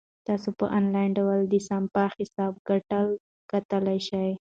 تاسو په انلاین ډول د سپما حساب ګټه کتلای شئ.